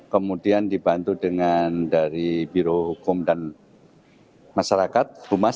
kemudian dibantu dengan dari biro hukum dan masyarakat